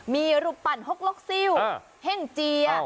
มีรุปรรรณหกลกซิวเฮ่งเจีย